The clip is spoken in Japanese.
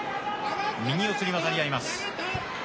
右四つに渡り合います。